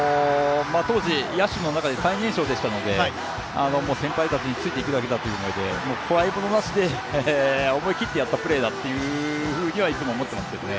当時、野手の中で最年少でしたので先輩たちについていくだけでしたので怖いものなしで思い切ってやったプレーとはいつも思っていますけどね。